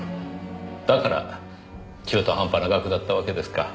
だから中途半端な額だったわけですか。